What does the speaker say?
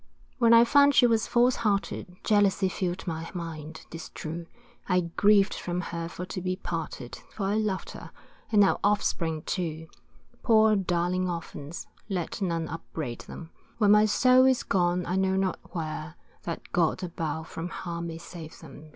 When I found she was false hearted, Jealousy fill'd my mind, 'tis true, I grieved from her for to be parted, For I loved her, and our offspring too; Poor darling orphans, let none upbraid them, When my soul is gone, I know not where, That God above from harm may save them.